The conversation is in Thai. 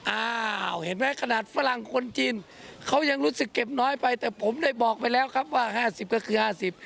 อ้าวเห็นไหมขนาดฝรั่งคนจีนเขายังรู้สึกเก็บน้อยไปแต่ผมได้บอกไปแล้วครับว่าห้าสิบก็คือห้าสิบ